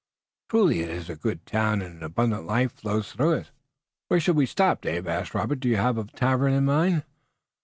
Truly it is a good town, and an abundant life flows through it." "Where shall we stop, Dave?" asked Robert. "Do you have a tavern in mind?"